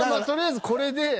とりあえずこれで。